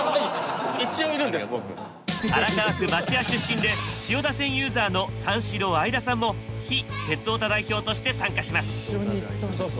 荒川区町屋出身で千代田線ユーザーの三四郎・相田さんも非・鉄オタ代表として参加します！